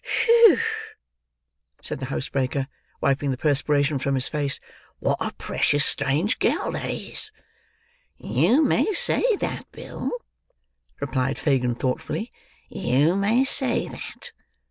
"Whew!" said the housebreaker wiping the perspiration from his face. "Wot a precious strange gal that is!" "You may say that, Bill," replied Fagin thoughtfully. "You may say that."